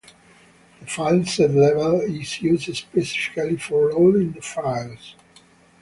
The Fileset level is used specifically for loading the files.